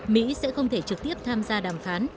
mỹ sẽ không thể trực tiếp tham gia đàm phán